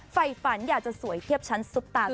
ไฟฝันอยากจะสวยเทียบชั้นซุปตา